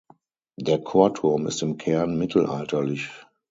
Der Chorturm ist im Kern mittelalterlich.